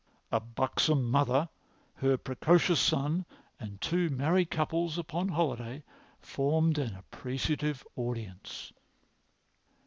A buxom mother, her precocious son, and two married couples upon holiday formed an appreciative audience.